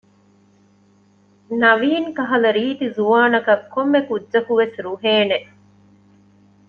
ނަވީން ކަހަލަ ރީތި ޒުވާނަކަށް ކޮންމެކުއްޖަކުވެސް ރުހޭނެ